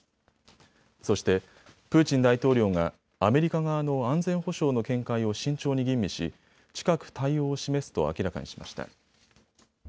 そしてプーチン大統領がアメリカ側の安全保障の見解を慎重に吟味し近く対応を示すと明らかにしました。